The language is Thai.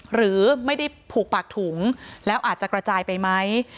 หรือไม่ได้ผูกปากถุงแล้วอาจจะกระจายไปไหม